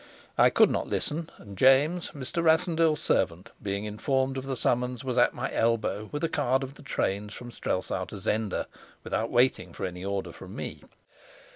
I could not listen; and James, Mr. Rassendyll's servant, being informed of the summons, was at my elbow with a card of the trains from Strelsau to Zenda, without waiting for any order from me.